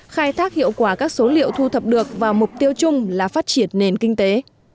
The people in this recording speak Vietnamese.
khai thác hiệu quả các số liệu thu thập được và mục tiêu chung là phát triển nền kinh tế